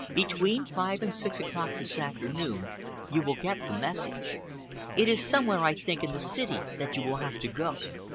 Between five and six o'clock this afternoon you will get the message. It is somewhere, I think, in the city that you will have to go.